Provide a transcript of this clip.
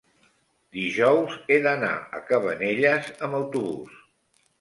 dijous he d'anar a Cabanelles amb autobús.